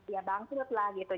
ya bangkrut lah gitu